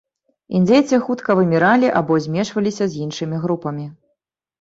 Індзейцы хутка выміралі або змешваліся з іншымі групамі.